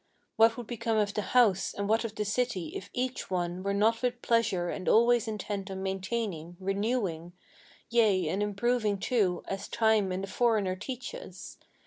What would become of the house, and what of the city if each one Were not with pleasure and always intent on maintaining, renewing, Yea, and improving, too, as time and the foreigner teach us!